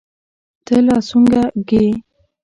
ته لا سونګه ږې.